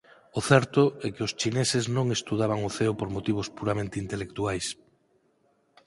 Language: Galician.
O certo é que os chineses non estudaban o ceo por motivos puramente intelectuais.